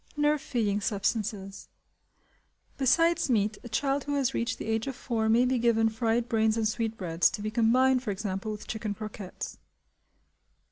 Nerve Feeding Substances. Besides meat a child who has reached the age of four may be given fried brains and sweetbreads, to be combined, for example, with chicken croquettes.